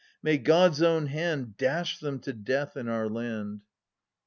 May God's own hand Dash them to death in our land